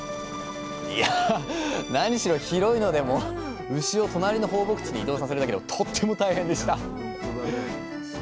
いや何しろ広いので牛を隣の放牧地に移動させるだけでもとっても大変でした！